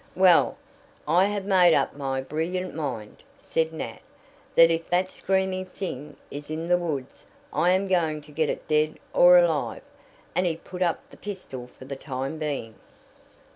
"Well, I have made up my brilliant mind," said Nat, "that if that screaming thing is in the woods I am going to get it dead or alive," and he put up the pistol for the time being.